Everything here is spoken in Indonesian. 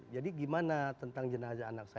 jadi gimana tentang jenazah anak saya tersebut